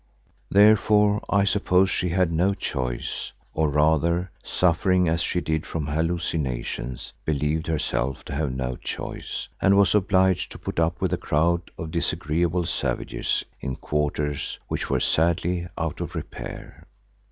Therefore I supposed she had no choice, or rather, suffering as she did from hallucinations, believed herself to have no choice and was obliged to put up with a crowd of disagreeable savages in quarters which were sadly out of repair.